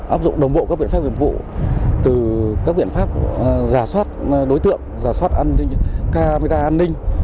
áp dụng đồng bộ các biện pháp viện vụ từ các biện pháp giả soát đối tượng giả soát camera an ninh